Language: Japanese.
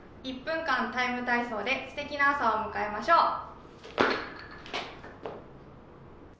１分間「ＴＩＭＥ，体操」ですてきな朝を迎えましょう。